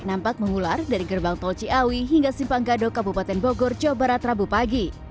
nampak mengular dari gerbang tol ciawi hingga simpang gadok kabupaten bogor jawa barat rabu pagi